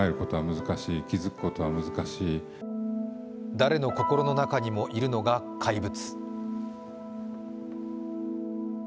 誰の心の中にもいるのが怪物。